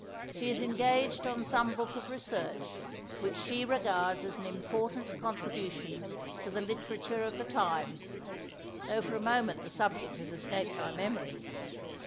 She is engaged on some book of research, which she regards as an important contribution to the literature of the times, though for the moment the subject has escaped my memory.